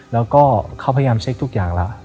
แล้วก็เขาพยายามเช็คทุกอย่างแล้ว